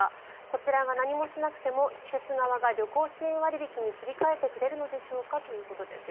こちらが何もしなくても施設側が旅行支援割引に切り替えてくれるのでしょうか？ということです。